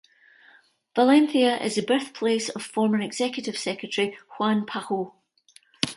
Valencia is the birthplace of former Executive Secretary Juan Pajo.